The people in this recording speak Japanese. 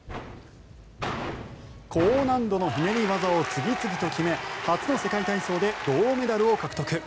高難度のひねり技を次々と決め初の世界体操で銅メダルを獲得。